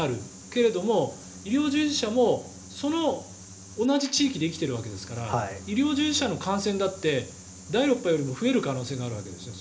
けれども、医療従事者もその同じ地域で生きているわけですから医療従事者の感染だって第６波よりも増える可能性があるわけですよね。